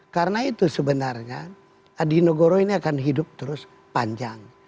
karena itu sebenarnya adi nugoro ini akan hidup terus panjang